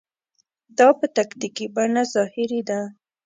دا په تکتیکي بڼه ظاهري ده.